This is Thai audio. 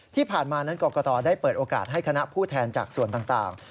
ที่ผ่านมานั้นกรกตได้เปิดโอกาสให้คณะผู้แทนจากส่วนต่าง